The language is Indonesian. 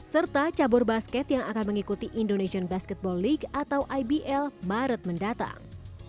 serta cabur basket yang akan mengikuti indonesian basketball league atau ibl maret mendatang